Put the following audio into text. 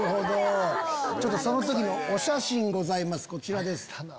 ちょっとその時のお写真ございますこちらです。